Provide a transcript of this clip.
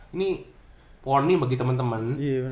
ini warning bagi temen temen